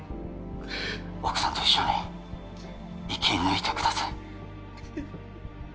奥さんと一緒に生き抜いてください